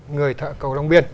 người thợ cầu đồng biên